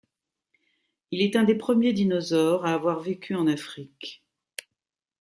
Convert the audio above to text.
Il est un des premiers dinosaures à avoir vécu en Afrique.